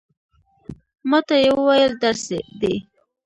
ما ته یې وویل، درس دی.